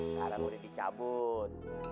sekarang udah dicabut